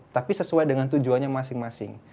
tapi sesuai dengan tujuannya masing masing